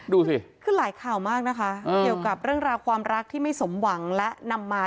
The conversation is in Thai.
ดูสิคือหลายข่าวมากนะคะเกี่ยวกับเรื่องราวความรักที่ไม่สมหวังและนำมา